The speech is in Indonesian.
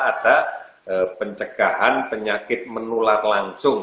atau pencegahan penyakit menular langsung